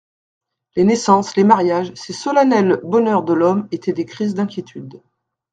Les naissances, les mariages, ces solennels bonheurs de l'homme, étaient des crises d'inquiétude.